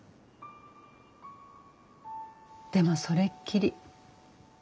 でもそれっきり。